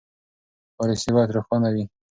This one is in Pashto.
پالیسي باید روښانه وي.